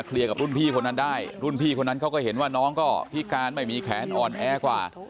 กับรุ่นพี่คนนั้นได้รุ่นพี่คนนั้นเขาก็เห็นว่าน้องก็พิการไม่มีแขนอ่อนแอกว่า